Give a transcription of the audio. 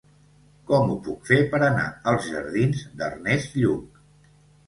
Com ho puc fer per anar als jardins d'Ernest Lluch?